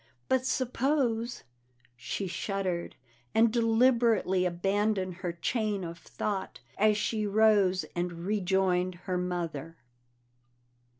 But suppose She shuddered and deliberately abandoned her chain of thought as she rose and rejoined her mother.